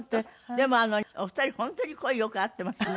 でもお二人本当に声よく合っていますね。